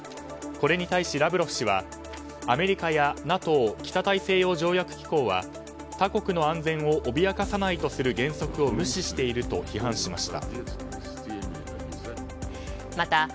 これに対し、ラブロフ氏はアメリカやＮＡＴＯ・北大西洋条約機構は他国の安全を脅かさないとする原則を無視していると批判しました。